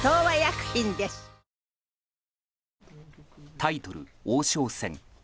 タイトル王将戦